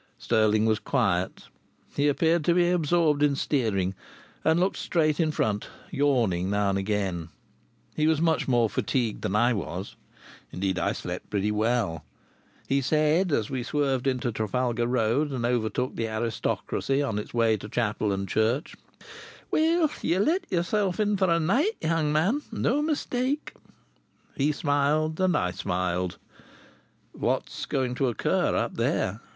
Stirling was quiet. He appeared to be absorbed in steering, and looked straight in front, yawning now and again. He was much more fatigued than I was. Indeed, I had slept pretty well. He said, as we swerved into Trafalgar Road and overtook the aristocracy on its way to chapel and church: "Well, ye let yeself in for a night, young man! No mistake!" He smiled, and I smiled. "What's going to occur up there?"